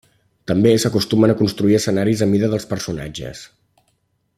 També s'acostumen a construir escenaris a mida dels personatges.